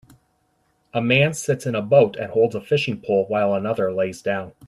A man sits in a boat and holds a fishing pole while another lays down.